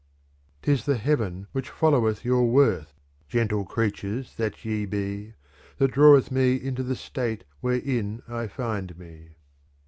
'Tis the heaven which followeth your worth, gentle creatures that ye be, that draweth me into the state wherein I find me.